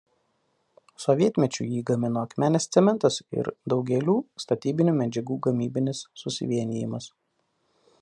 Sovietmečiu jį gamino „Akmenės cementas“ ir Daugėlių statybinių medžiagų gamybinis susivienijimas.